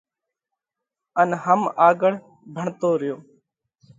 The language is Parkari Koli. ان هم آڳۯ ڀڻتو ريو۔